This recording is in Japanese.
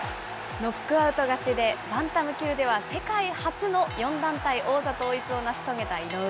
ノックアウト勝ちで、バンタム級では世界初の４団体王座統一を成し遂げた井上。